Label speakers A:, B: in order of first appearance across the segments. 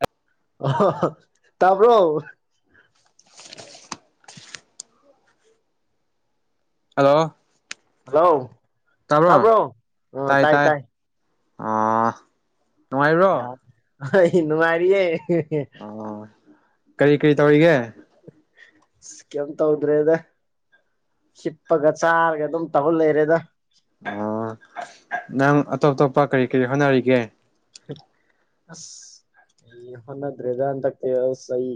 A: ꯑ
B: ꯑ ꯇꯄ
A: ꯍꯜꯂꯣ
B: ꯍꯜꯂꯣ ꯇꯥꯕ꯭ꯔꯣ ꯑ ꯇꯥꯏ ꯇꯥꯏ
A: ꯑꯥ ꯅꯨꯡꯉꯥꯏꯕ꯭ꯔꯣ
B: ꯑ ꯏꯅ ꯃꯥꯔꯤꯑꯦ ꯍꯦ
A: ꯑ ꯀꯔꯤ ꯀꯔꯤ ꯇꯧꯔꯤꯒꯦ
B: ꯑꯁ ꯀꯩꯝ ꯇꯧꯗ꯭ꯔꯦꯗ ꯍꯤꯞꯄꯒ ꯆꯥꯔꯒ ꯑꯗꯨꯝ ꯇꯧꯍꯟ ꯂꯩꯔꯦꯗ
A: ꯑ ꯅꯪ ꯇꯣꯞ ꯇꯣꯞꯄ ꯀꯔꯤ ꯀꯔꯤ ꯍꯣꯠꯅꯔꯤꯒꯦ
B: ꯑꯁ ꯑꯩ ꯍꯣꯠꯅꯗ꯭ꯔꯦꯗ ꯍꯟꯗꯛꯇꯤ ꯑꯁ ꯑꯩ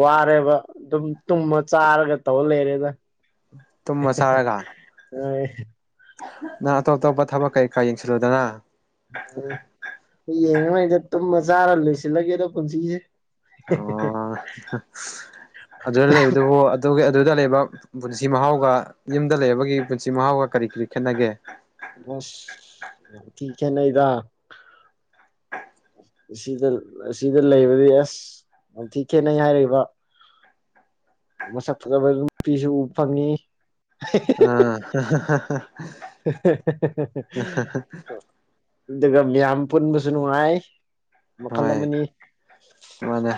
B: ꯋꯥꯔꯦꯕ ꯑꯗꯨꯝ ꯇꯨꯝꯃ ꯆꯥꯔꯒ ꯇꯧꯔ ꯂꯩꯔꯦꯗ
A: ꯇꯨꯝꯃ ꯆꯥꯔꯒ
B: ꯑ ꯎ
A: ꯅꯪ ꯑꯇꯣꯞ ꯑꯇꯣꯞꯄ ꯊꯕꯛ ꯀꯩ ꯀꯥ ꯌꯦꯡꯁꯤꯜꯂꯨꯗꯅ
B: ꯑꯣ ꯀꯃꯥꯏꯗ ꯇꯨꯝꯃ ꯆꯥꯔ ꯂꯩ ꯁꯤꯜꯂꯒꯦꯗ ꯄꯨꯟꯁꯤꯁꯦ ꯑꯁ
A: ꯑꯣ ꯑꯗꯨꯗ ꯂꯩꯕꯗꯨꯕꯨ ꯑꯗꯨꯒ ꯑꯗꯨꯗ ꯂꯩꯕ ꯄꯨꯟꯁꯤ ꯃꯍꯥꯎꯒ ꯌꯨꯝꯗ ꯂꯩꯕꯒꯤ ꯄꯨꯟꯁꯤ ꯃꯍꯥꯎꯒ ꯀꯔꯤ ꯀꯔꯤ ꯈꯦꯠꯅꯒꯦ
B: ꯑꯁ ꯌꯥꯝ ꯊꯤ ꯈꯦꯠꯅꯩꯗ ꯁꯤꯗ ꯁꯤꯗ ꯂꯩꯕꯗꯤ ꯑꯁ ꯌꯥꯝ ꯊꯤ ꯈꯦꯠꯅꯩ ꯍꯥꯏꯔꯤꯕ ꯃꯁꯛ ꯐꯖꯕ ꯅꯨꯄꯤꯁꯨ ꯎꯕ ꯐꯪꯉ
A: ꯎ
B: [inaudible] ꯑꯗꯨꯒ ꯃꯤꯌꯥꯝ ꯄꯨꯟꯕꯁꯨ ꯅꯨꯡꯉꯥꯏ ꯃꯈꯜ
A: ꯍꯣꯏ
B: ꯑꯃꯅꯤ
A: ꯃꯥꯅꯦ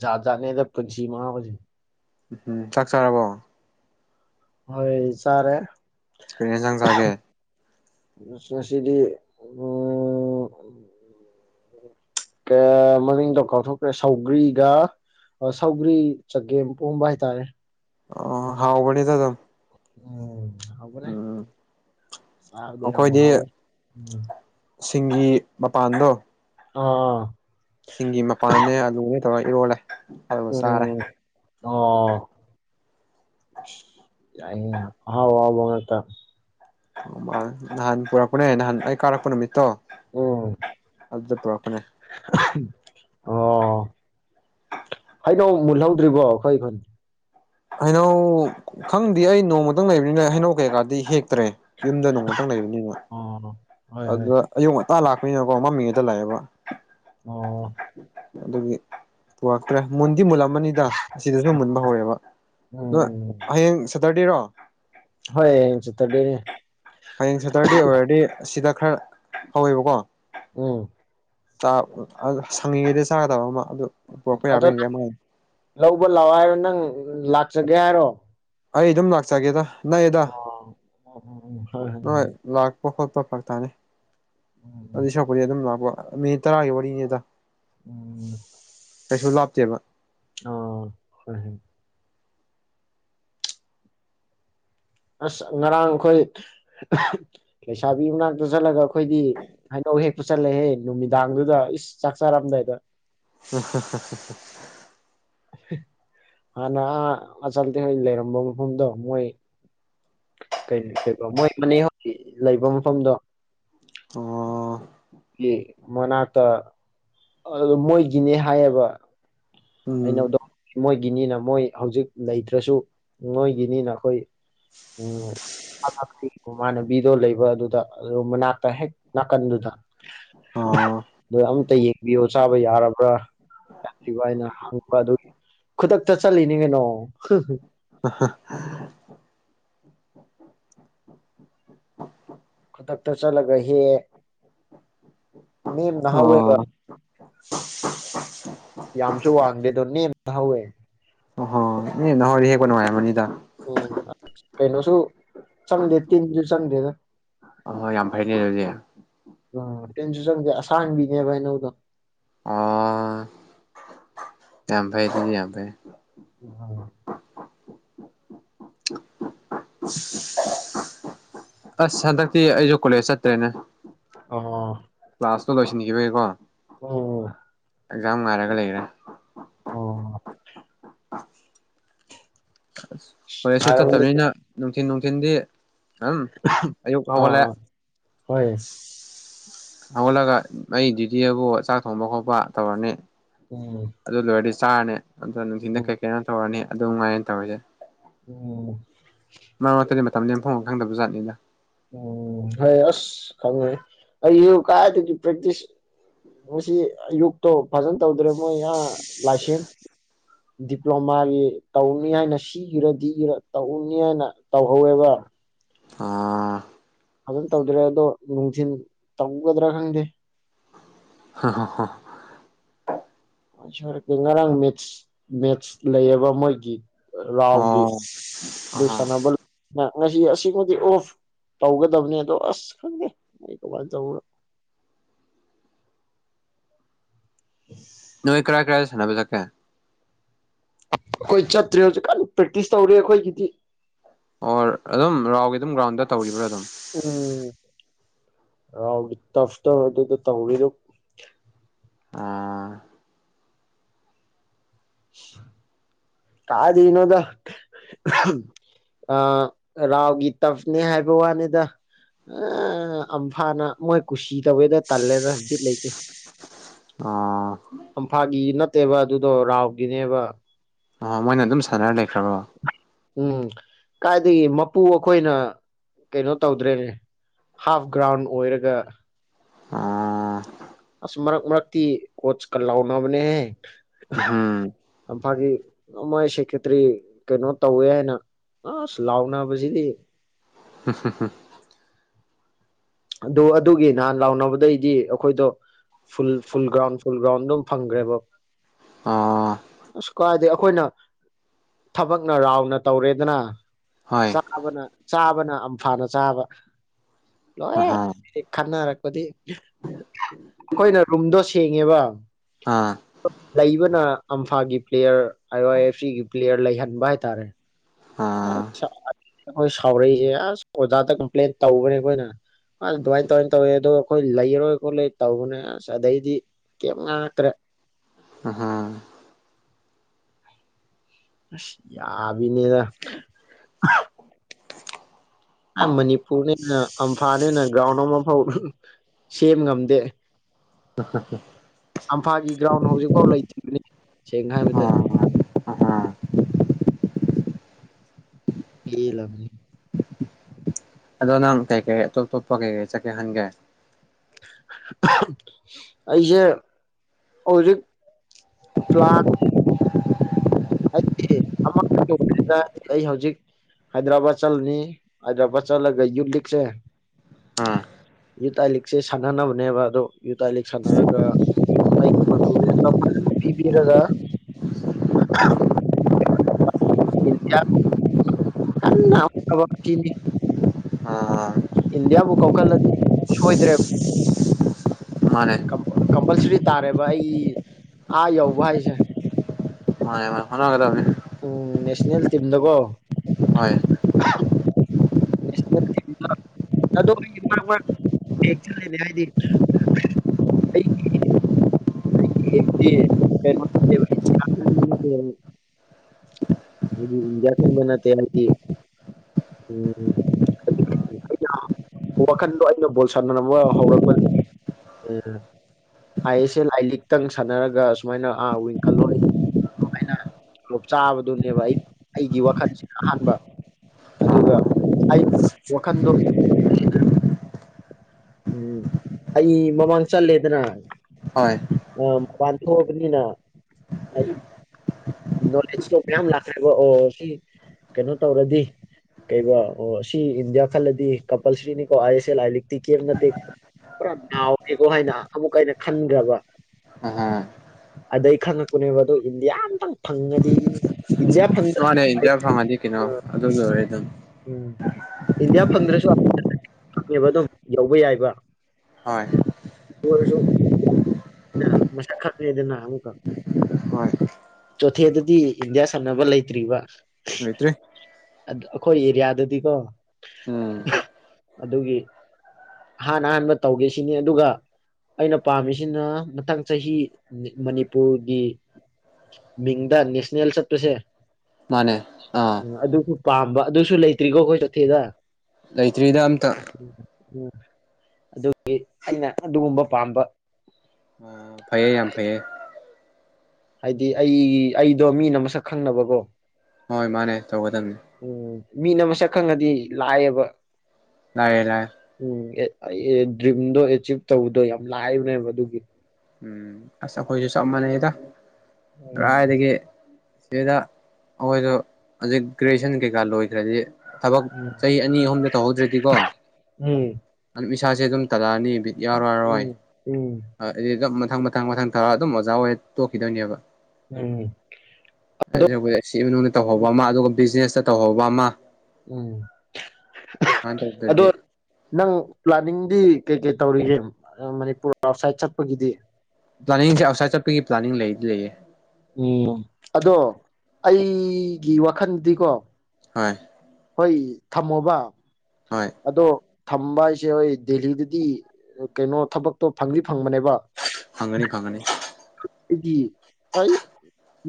B: ꯖꯠ ꯖꯠꯅꯤꯗ ꯄꯨꯟꯁꯤꯃꯍꯧꯖꯤ
A: [unintelligible] ꯆꯥꯛ ꯆꯔꯕꯣ
B: ꯍꯣꯏ ꯆꯥꯔꯦ
A: ꯀꯔꯤ ꯌꯦꯟꯁꯥꯡ ꯆꯥꯒꯦ
B: ꯉꯁꯤꯗꯤ ꯑꯝ ꯃꯅꯤꯡꯗꯣ ꯀꯥꯎꯊꯣꯛꯈ꯭ꯔꯦ ꯁꯧꯒ꯭ꯔꯤꯒ ꯁꯧꯒ꯭ꯔꯤ ꯆꯒꯦꯝ ꯄꯣꯝꯕ ꯍꯥꯏꯇꯥꯔꯦ
A: ꯑ ꯍꯥꯎꯕꯅꯤꯗ ꯑꯗꯝ
B: ꯎꯝ ꯍꯧꯕꯅꯦ‌ ꯆꯥꯕꯗ ꯌꯥꯝ
A: ꯑꯩꯈꯣꯏꯗꯤ
B: ꯍꫭꯏ ꯎꯝ
A: ꯁꯤꯡꯒꯤ ꯃꯄꯥꯟꯗꯣ
B: ꯑꯥ
A: ꯁꯤꯡꯒꯤ ꯃꯄꯥꯟꯅꯦ ꯑꯂꯨꯅꯦ ꯇꯧꯔ ꯏꯔꫭꯜꯂꯦ ꯑꯗꯨꯒ ꯆꯥꯔꯦ
B: ꯌꯥꯌꯦ ꯑꯥꯌꯥꯏ ꯑꯥꯌꯥꯎꯕ ꯉꯛꯇ
A: ꯅꯍꯥꯟ ꯄꯨꯔꯛꯄꯅꯦ ꯅꯍꯥꯟ ꯑꯩ ꯀꯥꯔꯛꯄ ꯅꯨꯃꯤꯠꯇꯣ
B: ꯎꯝ
A: ꯑꯗꯨꯗ ꯄꯨꯔꯥꯛꯄꯅꯦ
B: ꯑꯣ ꯍꯩꯅꯧ ꯃꯨꯜꯍꯧꯗ꯭ꯔꯤꯕꯣ ꯑꯩꯈꯣꯏ ꯈꯣꯏꯟ
A: ꯍꯩꯅꯧ ꯈꯪꯗꯦ ꯑꯩ ꯅꯣꯡꯃꯗꯪ ꯂꯩꯕꯅꯤꯅ ꯍꯩꯅꯧ ꯀꯩꯀꯥꯗꯤ ꯍꯦꯛꯇ꯭ꯔꯦ ꯌꯨꯝꯗ ꯅꯣꯡꯃꯇꯪ ꯂꯩꯕꯅꯤꯅ
B: ꯑꯣ ꯍꯣꯏ
A: ꯑꯗꯨ
B: ꯍꯣꯏ
A: ꯑꯌꯨꯛ ꯉꯟꯇ ꯂꯥꯛꯄꯥꯅꯤꯅꯀꯣ ꯃꯝꯃꯤꯉꯩꯗ ꯂꯥꯛꯑꯦꯕ
B: ꯑꯣ
A: ꯑꯗꯨꯒꯤ ꯄꯨꯔꯛꯇ꯭ꯔꯦ ꯃꯟꯗꯤ ꯃꯨꯂ ꯑꯃꯅꯤꯗ ꯑꯁꯤꯗꯁꯨ
B: ꯑꯥ
A: ꯃꯨꯟꯕ ꯍꯧꯔꯑꯦꯕ ꯑ
B: ꯎꯝ
A: ꯍꯌꯦꯡ ꯁꯥꯇ꯭ꯔꯗꯦꯔꯣ
B: ꯍꯣꯏ ꯍꯥꯌꯦꯡ ꯁꯇ꯭ꯔꯗꯦꯅꯦ [unintelligible]
A: ꯁꯤꯗ ꯈꯔ ꯍꯧꯋꯦꯕꯀꯣ
B: ꯎꯝ
A: ꯆꯥ ꯁꯪꯉꯤꯉꯩꯗ ꯆꯥꯒꯗꯕ ꯑꯃ ꯑꯗꯨ ꯄꯨꯔꯛꯄ ꯌꯥꯕ꯭ꯔ
B: ꯑꯗꯣ
A: ꯌꯦꯡꯒꯦ ꯑꯃ
B: ꯂꯧꯕ ꯂꯥꯛꯑꯣ ꯍꯥꯏꯔ ꯅꯪ ꯂꯛ ꯁꯒꯦ ꯍꯥꯏꯔꫭ
A: ꯑꯩ ꯑꯗꯨꯝ ꯂꯥꯛꯆꯒꯦꯗ ꯅꯛꯑꯦꯗ
B: ꯑꯣ [unintelligible]
A: ꯄ ꯈꯣꯠꯄ ꯐꯔꯛ ꯇꯥꯅꯤ
B: ꯎꯝ
A: ꯑꯗꯨꯏ ꯁꯔꯨꯛꯄꯨꯗꯤ ꯑꯗꯨꯝ ꯂꯥꯛꯄ ꯃꯤꯅꯤꯠ ꯇꯔꯥꯒꯤ ꯋꯥꯔꯤꯅꯤꯗ
B: ꯎꯝ
A: [inaudible] ꯀꯩꯁꯨ ꯂꯥꯞꯇꯦꯕ
B: ꯑꯣ ꯍꯣꯏꯍꯦ ꯑꯁ ꯉꯔꯥꯡ ꯑꯈꯣꯏ ꯂꯩꯁꯥꯕꯤ ꯃꯅꯥꯛꯇ ꯆꯠꯂꯒ ꯑꯈꯣꯏꯗꯤ ꯍꯥꯏꯅꯧ ꯍꯦꯛ ꯄꯨꯁꯜꯂꯦꯍꯦ ꯅꯨꯃꯤꯗꯥꯡꯗꯨꯗ ꯏꯁ ꯆꯥꯛ ꯆꯔꯝꯗꯥꯏꯗ
A: [unintelligible]
B: ꯍꯥꯟꯅ ꯑꯥ ꯑꯆꯜꯊꯦ ꯍꯣꯏ ꯂꯩꯔꯝꯕ ꯃꯐꯝꯗꯣ ꯃꯣꯏ ꯀꯩ ꯀꯩꯅꯣ ꯃꯣꯏ ꯃꯅꯦ ꯍꯧꯒꯤ ꯂꯩꯕ ꯃꯐꯝꯗꯣ
A: ꯑꯣ
B: ꯏ ꯃꯅꯥꯛꯇ ꯑꯗꯨ ꯃꯣꯏꯒꯤꯅꯦ ꯍꯥꯏꯌꯦꯕ
A: ꯎꯝ
B: ꯍꯩꯅꯧꯗꯣ ꯃꯣꯏꯒꯤꯅꯤꯅ ꯃꯣꯏ ꯍꯧꯖꯤꯛ ꯂꯩꯇ꯭ꯔꯁꯨ ꯃꯣꯏꯒꯤꯅꯤꯅ ꯑꯈꯣꯏ ꯎꯝ [unintelligible] ꯃꯃꯥꯟꯅꯕꯤꯗꯣ ꯂꯩꯕ ꯑꯗꯨꯗ ꯑꯗꯨ ꯃꯅꯥꯛꯇ ꯍꯦꯛ ꯅꯥꯀꯟꯗꯨꯗ
A: ꯑꯣ
B: ꯑꯝꯇ ꯌꯦꯡꯕꯤꯌꯣ ꯆꯥꯕ ꯌꯥꯔꯕ꯭ꯔꯥꯕ ꯌꯥꯗꯔ꯭ꯤꯕꯥꯅꯥ ꯍꯪ ꯑꯗꯨ ꯈꯨꯗꯛꯇ ꯆꯠꯂꯤꯅꯤ ꯀꯩꯅꯣ ꯈꯨꯗꯛꯇ ꯆꯠꯂꯒ ꯍꯦꯛꯑꯦ ꯅꯦꯝꯅ ꯍꯧꯋꯦꯕ
A: ꯑꯣ
B: ꯌꯥꯝꯁꯨ ꯋꯥꯡꯗꯦꯗꯨ ꯅꯦꯝꯅ ꯍꯧꯏ
A: ꯅꯦꯝꯅꯍꯧꯔꯗꯤ ꯍꯦꯛꯄ ꯅꯨꯡꯉꯥꯏꯔꯝꯅꯤꯗ
B: ꯎꯝ ꯀꯩꯅꯣꯁꯨ ꯆꯪꯗꯦ ꯇꯤꯟꯖꯨ ꯆꯪꯗꯦꯗ
A: ꯍꯣꯏ ꯌꯥꯝ ꯐꯩꯅꯦ ꯑꯗꯨꯗꯤ
B: ꯇꯤꯟꯖꯨ ꯆꯪꯗꯦ ꯑꯁꯥꯡꯕꯤꯅꯦꯕꯥ ꯍꯩꯅꯧ ꯗꯣ
A: ꯑꯣ ꯌꯥꯝ ꯐꯩ ꯑꯗꯨꯗꯤ ꯌꯥꯝ ꯐꯩ
B: [unintelligible]
A: [unintelligible] ꯑꯁ ꯍꯟꯗꯛꯇꯤ ꯑꯩꯖꯨ ꯀꯣꯂꯦꯖ ꯆꯠꯇ꯭ꯔꯦꯅꯦ
B: ꯑꯣꯍꯣ
A: ꯀꯂ꯭ꯥꯁꯇꯨ ꯂꯣꯏꯁꯟꯈꯤꯕꯩ ꯀꯣ
B: ꯎꯝ
A: ꯑꯦꯛꯖꯥꯝ ꯉꯥꯏꯔꯒ ꯂꯩꯔꯦ
B: ꯑꯣ
A: ꯍꯣꯏ ꯑꯩꯁꯨ
B: ꯍꯥꯏꯔꯝꯅꯤ
A: ꯆꯠꯇꯝꯅꯤꯅ ꯑꯗꯨꯝ ꯊꯤꯟ ꯅꯨꯡꯊꯤꯟꯗꯤ ꯑꯗꯨꯝ ꯑꯌꯨꯛ ꯍꯧꯒꯠꯂꯦ
B: ꯑꯥ ꯍꯣꯏ
A: ꯍꯧꯒꯠꯂꯒ ꯑꯩ ꯗ꯭ꯌꯨꯇꯤ ꯑꯕꯨ ꯆꯥꯛ ꯊꯣꯡꯕ ꯈꯣꯠꯄ ꯇꯧꯔꯅꯤ
B: ꯎꯝ
A: ꯑꯗꯨ ꯂꯣꯏꯔꯗꯤ ꯆꯥꯔꯅꯤ ꯑꯗꯨ ꯅꯨꯡꯊꯤꯟ
B: ꯎꯝ
A: ꯀꯩ ꯀꯩꯅꯣ ꯇꯧꯔꯅꯤ ꯑꯗꯨ ꯃꯉꯥꯏꯔꯦꯅꯦ ꯇꯧꯔꯤꯖꯦ
B: ꯎꯝ
A: [unintelligible] ꯃꯇꯝ ꯂꯦꯟꯐꯝ ꯑꯃ ꯈꯪꯗꯕ ꯖꯥꯠꯅꯤꯅꯗ
B: ꯎꯝ ꯍꯣꯏ ꯑꯁ ꯈꯪꯉꯦ ꯑꯩ ꯖꯨ ꯀꯥꯏꯗꯒꯤ ꯄ꯭ꯔꯦꯛꯇꯤꯁ ꯉꯁꯤ ꯑꯌꯨꯛꯇꯣ ꯐꯖꯅ ꯇꯧꯗ꯭ꯔꯦ ꯃꯣꯏ ꯂꯥꯏꯁꯦꯟ ꯗꯤꯄ꯭ꯂꯣꯃꯥꯒꯤ ꯇꯧꯅꯤ ꯍꯥꯏꯅ ꯁꯤꯒꯤꯔ ꯗꯤꯒꯤꯔ ꯇꯧꯅꯤ ꯍꯥꯏꯅ ꯇꯧꯍꯧꯋꯦꯕ
A: ꯑꯥ
B: ꯑꯗꯨꯝ ꯇꯧꯗ꯭ꯔꯦ ꯑꯗꯣ ꯅꯨꯡꯊꯤꯟ ꯇꯧꯒꯗ꯭ꯔꯥ ꯈꯪꯗꯦ
A: ꯍꯥ ꯍꯥ ꯍꯥ
B: ꯁꯣꯏꯔꯛꯀꯦ ꯉꯔꯥꯡ ꯃꯦꯠꯁ ꯃꯦꯠꯁ ꯂꯩꯌꯦꯕ ꯃꯣꯏꯒꯤ ꯔꯥꯎꯒꯤ
A: ꯑꯣ
B: ꯑꯗꯨ
A: ꯑꯍ
B: ꯁꯥꯟꯅꯕ ꯉꯁꯤ ꯑꯁꯤ ꯈꯛꯗꯤ ꯑꯣꯐ ꯇꯧꯒꯗꯕꯅꯤ ꯑꯗꯣ ꯑꯁ ꯈꯪꯗꯦ ꯃꯣꯏ ꯀꯃꯥꯏꯅ ꯇꯧꯕꯅꯣ [inaudible]
A: ꯅꯣꯏ ꯀꯔꯥꯏ ꯀꯔꯥꯏ ꯁꯥꯅꯕ ꯆꯠꯀꯦ
B: ꯑꯩꯈꯣꯏ ꯆꯠꯇ꯭ꯔꯦ ꯍꯧꯖꯤꯛ ꯀꯟꯅ ꯄ꯭ꯔꯦꯛꯇꯤꯁ ꯇꯧꯔꯤ ꯑꯩꯈꯣꯏꯒꯤꯗꯤ
A: ꯑꯣꯔ ꯑꯗꯨꯝ ꯔꯥꯎꯒꯤ ꯑꯗꯨꯝ ꯒ꯭ꯔꯥꯎꯟꯗ ꯇꯧꯈꯤꯕ꯭ꯔꯥ ꯑꯗꯨꯝ
B: ꯎꯝ ꯔꯥꯎꯒꯤ ꯇꯐꯇ ꯑꯗꯨꯗ ꯇꯧꯔꯤꯔ
A: ꯑꯣ
B: ꯀꯥꯏꯗꯩꯅꯣꯗ ꯑ ꯔꯥꯎꯒꯤ ꯇꯞꯅꯦ ꯍꯥꯏꯕ ꯋꯥꯅꯤꯗ ꯑ ꯑꯝꯐꯥꯅ ꯃꯣꯏ ꯀꯨꯁꯤ ꯇꯧꯋꯦꯗ ꯇꯜꯂꯦꯗ ꯕꯤꯠ ꯂꯩꯇꯦ
A: ꯑꯣ
B: ꯑꯝꯐꯥꯒꯤ ꯅꯠꯇꯦꯕ ꯑꯗꯨꯗꯣ ꯔꯥꯎꯒꯤꯅꯦꯕ
A: ꯑ ꯃꯣꯏꯅ ꯑꯗꯨꯝ ꯁꯥꯟꯅꯔ ꯂꯩꯈ꯭ꯔꯕ
B: ꯎꯝ ꯀꯥꯏꯗꯒꯤ ꯃꯄꯨ ꯑꯩꯈꯣꯏꯅ ꯀꯩꯅꯣ ꯇꯧꯗ꯭ꯔꯦꯅꯦ ꯍꯥꯐ ꯒ꯭ꯔꯥꯎꯟ ꯑꯣꯏꯔꯒ
A: ꯑ
B: ꯑꯁ ꯃꯔꯛ ꯃꯔꯛꯇꯤ ꯀꯣꯆ ꯀ ꯂꯥꯎꯅꯕꯅꯦꯍꯦ
A: ꯎꯝꯍꯨꯝ
B: ꯑꯝꯐꯥꯒꯤ ꯃꯣꯏ ꯁꯦꯀꯦꯇꯔꯤ ꯀꯩꯅꯣ ꯇꯧꯋꯦ ꯍꯥꯏꯅ ꯑꯁ ꯂꯥꯎꯅꯕꯁꯤꯗꯤ
A: ꯍ
B: ꯑꯗꯨ ꯑꯗꯨꯒꯤ ꯅꯍꯥꯟ ꯂꯥꯎꯅꯕꯗꯩꯗꯤ ꯑꯩꯈꯣꯏꯗꯣ ꯐꯨꯜ ꯐꯨꯜ ꯒ꯭ꯔꯥꯎꯟ ꯐꯨꯜ ꯒ꯭ꯔꯥꯎꯟꯗꯣ ꯐꯪꯈ꯭ꯔꯦꯕ
A: ꯑ
B: ꯑꯁ ꯀꯥꯏꯗꯦ ꯑꯩꯈꯣꯏꯅ ꯊꯕꯛꯅ ꯔꯥꯎꯅ ꯇꯧꯔꯦꯗꯅ
A: ꯍꯣꯏ
B: ꯆꯥꯕꯅ ꯆꯥꯕꯅ ꯑꯝꯐꯥꯅ ꯆꯥꯕ ꯂꯣꯏꯔꯦ
A: ꯑꯍ
B: ꯈꯟꯅꯔꯛ ꯄꯗꯩ ꯑꯩꯈꯣꯏꯅ ꯔꯨꯝꯗꯣ ꯁꯦꯡꯉꯦꯕ
A: ꯑꯥ
B: ꯂꯩꯕꯅ ꯑꯝꯐꯥꯒꯤ ꯄ꯭ꯂꯦꯌꯔ ꯑꯥꯏ ꯋꯥꯏ ꯑꯦꯐ ꯁꯤꯒꯤ ꯄ꯭ꯂꯦꯌꯔ ꯂꯩꯍꯟꯕ ꯍꯥꯏꯇꯥꯔꯦ
A: ꯑꯥ
B: ꯑꯁ ꯑꯩꯈꯣꯏ ꯁꯥꯎꯔꯛ ꯏꯁꯦ ꯑꯁ ꯑꯣꯖꯥꯗ ꯀꯝꯄ꯭ꯂꯦꯟ ꯇꯧꯕꯅꯦ ꯑꯩꯈꯣꯏꯅ ꯑꯁ ꯑꯗꯨꯃꯥꯏꯅ ꯇꯧꯥꯏꯅ ꯇꯧꯋꯦ ꯑꯗꯣ ꯑꯩꯈꯣꯏ ꯂꯩꯔꯣꯏ ꯈꯣꯠꯂꯣꯏ ꯇꯧꯕꯅꯦ ꯑꯁ ꯑꯗꯩꯗꯤ ꯀꯩ ꯉꯥꯡ ꯉꯛꯇꯅ
A: ꯑꯍ
B: ꯑꯁ ꯌꯥꯕꯤꯅꯦꯗ ꯑ ꯃꯅꯤꯄꯨꯔꯅꯦꯅ ꯑꯝꯐꯥꯅꯦꯅ ꯒ꯭ꯔꯥꯎꯟ ꯑꯃ ꯐꯥꯎ ꯁꯦꯝ ꯉꯝꯗꯦ ꯑꯝꯐꯥꯒꯤ ꯒ꯭ꯔꯥꯎꯟ ꯍꯧꯖꯤꯛꯐꯥꯎ ꯂꯩꯇ꯭ꯔꯤꯕꯅꯤ ꯁꯦꯡꯅ ꯍꯥꯏꯕꯗ
A: ꯑꯣ ꯑꯍ
B: ꯄꯦꯜꯂꯕꯅꯤ
A: ꯑꯗꯣ ꯅꯪ ꯀꯩꯀꯩ ꯑꯇꯣꯞ ꯑꯇꯣꯞꯄ ꯀꯩꯀꯩ ꯆꯠꯀꯦ ꯈꯟꯒꯦ
B: ꯑꯩꯁꯦ ꯍꯧꯖꯤꯛ ꯄ꯭ꯂꯥꯟ ꯑꯩꯗꯤ ꯑꯃꯁꯤꯗ ꯑꯩ ꯍꯧꯖꯤꯛ ꯍꯥꯏꯗ꯭ꯔꯕꯥꯠ ꯆꯠꯂꯅꯤ ꯍꯥꯏꯗ꯭ꯔꯕꯥꯠ ꯆꯠꯂꯒ ꯌꯨꯠ ꯂꯤꯛꯁꯦ
A: ꯑꯥ
B: ꯌꯨꯠ ꯇꯥꯏ ꯂꯤꯛꯁꯦ ꯁꯥꯟꯅꯅꯕꯅꯦꯕ ꯑꯗꯣ ꯌꯨꯠ ꯇꯥꯏ ꯂꯤꯛ ꯁꯥꯟꯅꯔꯒ ꯑꯩꯒꯤ ꯄꯔꯐꯣꯔꯃꯦꯟꯁ ꯄꯤꯕꯤꯔꯒ ꯀꯟꯅ ꯊꯕꯛ ꯆꯦꯜꯂꯤ
A: ꯑꯥ
B: ꯏꯟꯗꯤꯌꯥꯕꯨ ꯀꯧꯈꯠꯂꯗꯤ ꯁꯣꯏꯗ꯭ꯔꯦꯕ
A: ꯃꯥꯅꯦ
B: ꯀꯝꯄꯜꯁꯔꯤ ꯇꯥꯔꯦꯕ ꯑꯩ ꯑꯥ ꯌꯧꯕ ꯍꯥꯏꯁꯦ
A: ꯁꯥꯟꯅꯒꯗꯕꯅꯤ
B: ꯎꯝ ꯅꯦꯁꯅꯦꯜ ꯇꯤꯝꯗꯀꯣ
A: ꯍꯣꯏ
B: ꯅꯦꯁꯅꯦꯜ ꯇꯤꯝꯗ ꯑꯗꯣ ꯑꯩ ꯆꯠꯂꯅꯦ ꯍꯥꯏꯗꯤ ꯑꯩꯒꯤ ꯑꯩꯒꯤ ꯑꯦ ꯀꯩꯅꯣ ꯍꯥꯏꯗꯤ ꯏꯟꯗꯤꯌꯥ ꯊꯟꯕ ꯅꯠꯇꯦ ꯍꯥꯏꯗꯤ ꯑꯩꯅ ꯋꯥꯈꯜꯗꯣ ꯑꯩꯅ ꯕꯣꯜ ꯁꯥꯟꯅꯔꯅꯕ ꯍꯧꯔꯛꯄꯗ ꯑꯥꯏ ꯑꯦꯁ ꯑꯦ ꯑꯥꯏ ꯂꯤꯛꯇꯪ ꯁꯥꯟꯅꯔꯒ ꯁꯨꯃꯥꯏꯅꯥ ꯋꯤꯡꯀꯜꯍꯣꯏꯃꯅ ꯞ ꯆꯥꯕꯗꯨꯅꯦꯕ ꯑꯩ ꯑꯩꯒꯤ ꯋꯥꯈꯜꯁꯤ ꯑꯍꯥꯟꯕ ꯑꯗꯨꯒ ꯋꯥꯈꯟꯗꯣ ꯎꯝ ꯑꯩ ꯃꯃꯥꯡ ꯆꯠꯂꯦꯗꯅ
A: ꯍꯣꯏ
B: ꯋꯥꯟꯊꯣꯛꯑꯕꯅꯤꯅ ꯅꯣꯂꯦꯖꯇꯣ ꯃꯌꯥꯝ ꯂꯥꯛꯈ꯭ꯔꯦꯕ ꯑꯣ ꯁꯤ ꯀꯩꯅꯣ ꯇꯧꯔꯗꯤ ꯀꯩ ꯑꯣ ꯁꯤ ꯏꯟꯗꯤꯌꯥ ꯈꯜꯂꯗꯤ ꯀꯝꯄꯜꯁꯔꯤꯅꯤꯀꯣ ꯑꯥꯏ ꯑꯦꯁ ꯑꯦꯜ ꯑꯥꯏ ꯂꯤꯛꯇꯤ ꯀꯦ ꯅꯠꯇꯦ ꯄꯨꯔꯥ ꯥꯎꯔꯦꯀꯣ ꯍꯥꯏꯅ ꯑꯃꯨꯛꯀ ꯑꯩꯅ ꯈꯟꯈ꯭ꯔꯕ
A: ꯑꯍꯥ
B: ꯑꯗꯩ ꯈꯪꯉꯛꯄꯅꯦꯕ ꯑꯗꯣ ꯏꯟꯗꯤꯌꯥ ꯑꯇꯪ ꯐꯪꯉꯗꯤꯅꯤ
A: ꯃꯥꯅꯦ ꯏꯟꯗꯤꯌꯥ ꯐꯪꯉꯗꯤ ꯀꯩꯅꯣ ꯑꯗꯨꯅ ꯂꯣꯏꯔꯦ ꯑꯗꯨꯝ
B: ꯎꯝ ꯏꯟꯗꯤꯌꯥ ꯐꯪꯗ꯭ꯔꯁꯨ [unintelligible] ꯐꯪꯉꯦꯕ ꯑꯗꯨꯝ ꯌꯧꯕ ꯌꯥꯏꯕ
A: ꯍꯣꯏ
B: ꯑꯣꯏꯔꯁꯨ ꯃꯁꯛ ꯈꯪꯉꯦꯗꯅ ꯑꯃꯨꯛꯀ
A: ꯍꯣꯏ
B: ꯆꯣꯊꯦꯗꯨꯗꯤ ꯏꯟꯗꯤꯌꯥ ꯁꯥꯟꯅꯕ ꯂꯩꯇ꯭ꯔꯤꯕ
A: ꯂꯣꯏꯇ꯭ꯔꯤ
B: ꯑꯩꯈꯣꯏ ꯑꯦꯔꯤꯌꯥꯗꯗꯤꯀꯣ
A: ꯎꯝ
B: ꯑꯍ ꯑꯗꯨꯒꯤ ꯑꯍꯥꯟ ꯑꯍꯥꯟꯕ ꯇꯧꯒꯦꯁꯤꯅꯤ ꯑꯗꯨꯒ ꯑꯩꯅ ꯄꯥꯝꯃꯤꯁꯤꯅ ꯃꯊꯪ ꯆꯍꯤ ꯃꯅꯤꯄꯨꯔꯒꯤ ꯃꯤꯡꯗ ꯅꯦꯁꯅꯦꯜ ꯆꯠꯄꯁꯦ
A: ꯃꯥꯅꯦ ꯑ
B: ꯎꯝ ꯑꯗꯨꯁꯨ ꯄꯥꯝꯕ ꯑꯗꯨꯁꯨ ꯂꯩꯇ꯭ꯔꯤꯀꯣ ꯑꯩꯈꯣꯏ ꯆꯠꯊꯦꯗ
A: ꯂꯩꯇ꯭ꯔꯤꯗ ꯑꯝꯇ
B: ꯑꯗꯨꯒꯤ ꯑꯩꯅ ꯑꯗꯨꯒꯨꯝꯕ ꯄꯥꯝꯕ
A: ꯐꯩꯌꯦ ꯌꯥꯝ ꯐꯩꯌꯦ
B: ꯍꯥꯏꯗꯤ ꯑꯩ ꯑꯩꯗꯣ ꯃꯤꯅ ꯃꯁꯛ ꯈꯪꯅꯕꯀꯣ
A: ꯍꯣꯏ ꯃꯥꯅꯦ ꯇꯧꯒꯗꯝꯅꯤ
B: ꯎꯝ ꯃꯤꯅ ꯃꯁꯛ ꯈꯪꯉꯗꯤ ꯂꯥꯏꯑꯦꯕ
A: ꯂꯥꯏꯑꯦ ꯂꯥꯏ
B: ꯑꯩ ꯗ꯭ꯔꯤꯝꯗꯣ ꯑꯦꯆꯤꯞ ꯇꯧꯕꯗꯣ ꯌꯥꯝ ꯂꯥꯏꯕꯅꯦꯕ ꯑꯗꯨꯒꯤ
A: ꯎꯝ ꯑꯁ ꯑꯩꯈꯣꯏꯁꯨ ꯆꯞ ꯃꯥꯟꯅꯩꯗ
B: ꯎꯝ
A: ꯀꯥꯏꯗꯒꯥ ꯁꯤꯗ ꯑꯩꯈꯣꯏꯗ ꯍꯧꯖꯤꯛ ꯒ꯭ꯔꯦꯖꯨꯦꯁꯟ ꯀꯩꯀꯥ ꯂꯣꯏꯈ꯭ꯔꯗꯤ ꯊꯕꯛ
B: ꯎꯝ
A: ꯆꯍꯤ ꯑꯅꯤ ꯑꯍꯨꯝꯗ ꯇꯧꯍꯧꯗ꯭ꯔꯗꯤꯀꯣ
B: ꯎꯝ
A: ꯏꯁꯥꯁꯦ ꯑꯗꯨꯝ ꯇꯂꯛꯑꯅꯤꯕꯕꯤ ꯌꯥꯔꯣꯏꯔꯣꯏ
B: ꯎꯝ ꯎꯝ
A: ꯍꯣꯏ ꯁꯤꯗ ꯃꯊꯪ ꯃꯊꯪ ꯃꯊꯪ ꯊꯥꯔ ꯑꯗꯨꯝ ꯑꯣꯖꯥ ꯑꯣꯏ ꯇꯣꯛꯈꯤꯗꯣꯏꯅꯦꯕ
B: ꯎꯝ
A: ꯍꯥꯏꯗꯤ ꯁꯤ ꯃꯅꯨꯡꯗ ꯇꯧꯍꯧꯕ ꯑꯃ ꯑꯗꯨꯒ ꯕꯤꯖꯤꯅꯦꯁꯇ ꯇꯨ ꯍꯧꯕ ꯑꯃ
B: ꯎꯝ
A: ꯁꯨꯃꯥꯏꯅ
B: ꯑꯗꯣ
A: ꯇꯧꯗ꯭ꯔꯗꯤ
B: ꯅꯪ ꯄ꯭ꯂꯥꯅꯤꯡꯗꯤ ꯀꯩ ꯀꯩ ꯇꯧꯔꯤꯒꯦ ꯃꯅꯤꯄꯨꯔ ꯑꯥꯎꯠꯁꯥꯏꯠ ꯆꯠꯄꯒꯤꯗꯤ
A: ꯄ꯭ꯂꯥꯅꯤꯡꯁꯦ ꯑꯥꯎꯠꯁꯥꯏꯠ ꯆꯠꯄꯒꯤ ꯄ꯭ꯂꯥꯅꯤꯡ ꯂꯩꯗꯤ ꯂꯩꯌꯦꯦ
B: ꯎꯝ ꯑꯗꯣ ꯑꯩꯒꯤ ꯋꯥꯈꯜꯗꯤꯀꯣ
A: ꯍꯣꯏ
B: ꯑꯩꯏ ꯊꯝꯃꯣꯕ
A: ꯍꯣꯏ
B: ꯑꯗꯣ ꯊꯝꯕ ꯍꯥꯏꯁꯦ ꯍꯣꯏ ꯗꯦꯜꯂꯤꯗꯗꯤ ꯀꯩꯅꯣ ꯊꯕꯛꯇꯣ ꯐꯪꯕꯤ ꯐꯪꯕꯅꯦꯕ
A: ꯐꯪꯒꯅꯤ ꯐꯪꯒꯅꯤ
B: ꯑꯩꯗꯤ ꯑꯩ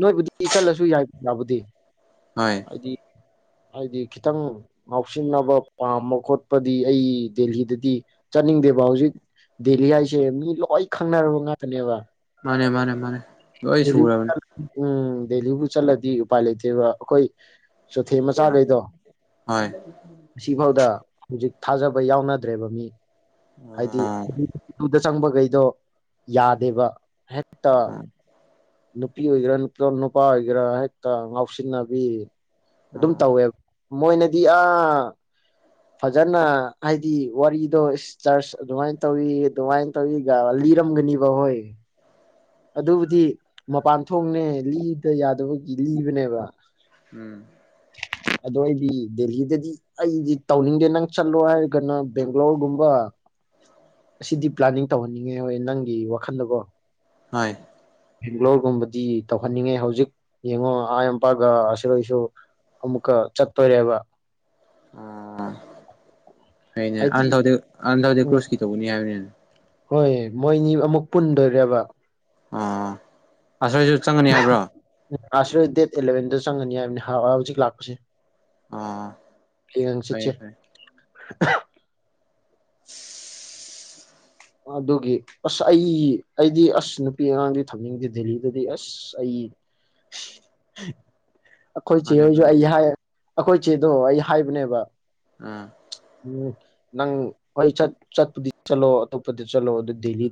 B: ꯅꯣꯏꯕꯨꯗꯤ ꯆꯠꯂꯁꯨ ꯌꯥꯏ ꯌꯥꯕꯨꯗꯤ
A: ꯍꯣꯏ
B: ꯍꯥꯏꯗꯤ ꯍꯥꯏꯗꯤ ꯈꯤꯇꯪ ꯉꯥꯎꯁꯤꯟꯅꯕ ꯄꯥꯝꯕ ꯈꯣꯠꯄꯗꯤ ꯑꯩ ꯗꯦꯜꯂꯤꯗꯗꯤ ꯆꯠꯅꯤꯡꯗꯦꯕ ꯍꯧꯖꯤꯛ ꯗꯦꯜꯂꯤ ꯍꯥꯏꯁꯦ ꯃꯤ ꯂꯣꯏ ꯈꯪꯅꯔꯕ ꯉꯥꯛꯇꯅꯦꯕ
A: ꯃꯥꯅꯦ ꯃꯥꯅꯦ ꯃꯥꯅꯦꯏ
B: ꯗꯦꯜꯂꯤ
A: ꯁꯨꯔꯅꯤ
B: ꯎꯝ ꯗꯦꯜꯂꯤꯕꯨ ꯆꯠꯂꯗꯤ ꯎꯄꯥꯏ ꯂꯩꯇꯦꯕ ꯑꯩꯈꯣꯏ ꯆꯣꯊꯦꯜ ꯃꯆꯥꯈꯩꯗꯣ
A: ꯍꯣꯏ
B: ꯉꯐꯥꯎꯗ ꯍꯧꯖꯤꯛ ꯊꯥꯖꯕ ꯌꯥꯎꯅꯗ꯭ꯔꯦꯕ ꯃꯤ ꯍꯥꯏꯗꯤ
A: ꯑꯣ
B: ꯆꯪꯕꯈꯩꯗꯣ ꯌꯥꯗꯦꯕ ꯍꯦꯛꯇ ꯅꯨꯄꯤ ꯑꯣꯏꯒꯦꯔꯥꯄꯤ ꯅꯨꯄꯥ ꯑꯣꯏꯒꯦꯔꯥ ꯍꯦꯛꯇ ꯉꯥꯎꯁꯤꯟꯅꯕꯤ ꯑꯗꯨꯝ
A: ꯑꯣ
B: ꯇꯧꯋꯦꯕ ꯃꯣꯏꯅꯗꯤ ꯑꯥ ꯐꯖꯅ ꯍꯥꯏꯗꯤ ꯋꯥꯔꯤꯗꯣ ꯆꯔꯆ ꯑꯗꯨꯃꯥꯏꯅ ꯇꯧꯋ ꯑꯗꯨꯃꯥꯏꯅ ꯇꯧꯋ ꯂꯤꯔꯝꯒꯅꯤꯕ ꯍꯣꯏ ꯑꯗꯨꯕꯨꯗꯤ ꯃꯄꯥꯟ ꯊꯣꯡꯅꯦ ꯂꯤꯗ ꯌꯥꯗꯕꯒꯤ ꯂꯤꯕꯅꯦꯕ
A: ꯎꯝ
B: ꯑꯗꯣ ꯑꯩꯗꯤ ꯗꯦꯍꯤꯗꯗꯤ ꯑꯩꯗꯤ ꯇꯧꯅꯤꯡꯗꯦ ꯅꯪ ꯆꯠꯂꯣ ꯍꯥꯏꯔꯒꯅ ꯕꯦꯡꯒ꯭ꯂꯣꯔꯒꯨꯝꯕ ꯑꯁꯤꯗꯤ ꯄ꯭ꯂꯥꯟꯅꯤꯡ ꯇꯧꯍꯟꯅꯤꯡꯉꯦ ꯍꯣꯏ ꯅꯪꯒꯤ ꯋꯥꯈꯜꯗꯕꯣ
A: ꯍꯣꯏ
B: ꯕꯦꯡꯒ꯭ꯂꯣꯔꯒꯨꯝꯕꯗꯤ ꯇꯧꯍꯟꯅꯤꯡꯉꯦ ꯍꯧꯖꯤꯛ ꯌꯦꯡꯉꯣ ꯑꯥꯄꯥꯒ ꯑꯔ ꯑꯁꯨ ꯑꯃꯨꯛꯀ ꯆꯠꯇꯣꯏꯔꯦꯕ
A: ꯑꯣ ꯍꯅꯦ
B: ꯍꯥꯏꯗꯤ
A: ꯑꯗꯗꯤ ꯑꯟꯗꯩ
B: ꯎꯝ
A: ꯀ꯭ꯔꯣꯁꯀꯤ ꯇꯧꯕꯅꯤ ꯍꯥꯏꯕꯅꯤꯅ
B: ꯍꯣꯏ ꯃꯣꯏꯅꯤ ꯑꯃꯨꯛ ꯄꯨꯟꯗꯣꯏꯕ
A: ꯑꯥ ꯑꯁꯣꯏꯁꯨ ꯆꯪꯒꯅꯤ ꯍꯥꯏꯕ꯭ꯔꯣ
B: ꯑꯥ ꯗꯦꯠ ꯏꯂꯕꯦꯟꯗ ꯆꯪꯉꯅꯤ ꯍꯥꯏꯕꯅꯤ ꯍꯧꯖꯤꯛ ꯂꯥꯛꯄꯁꯦ
A: ꯑꯥ
B: ꯍꯌꯦꯡ
A: ꯍ
B: ꯍꯪꯆꯤꯠꯁꯦ
A: ꯐꯥꯏ
B: [unintelligible]
A: [unintelligible]
B: ꯑꯗꯨꯒꯤ ꯑꯁ ꯑꯩ ꯑꯩꯗꯤ ꯑꯁ ꯅꯨꯄꯤ ꯑꯉꯥꯡꯗꯤ ꯊꯝꯅꯤꯡꯗꯦ ꯗꯦꯜꯂꯤꯗꯗꯤ ꯑꯁ ꯑꯩ ꯑꯩꯈꯣꯏ ꯆꯦ
A: ꯃꯥꯅꯦ
B: ꯍꯣꯏꯁꯨ
A: ꯃꯥꯅꯦ
B: ꯑꯩ ꯍꯥꯏ ꯑꯩꯈꯣꯏ ꯆꯦꯗꯣ ꯑꯩ ꯍꯥꯏꯕꯅꯦꯕ
A: ꯑꯥ
B: ꯎꯝ ꯅꯪ ꯍꯣꯏ ꯆꯠꯄꯨꯗꯤ ꯆꯠꯂꯣ ꯆꯂꯣ ꯑꯗꯨ ꯗꯜꯂꯤ